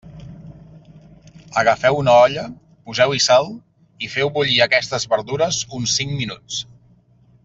Agafeu una olla, poseu-hi sal i feu bullir aquestes verdures uns cinc minuts.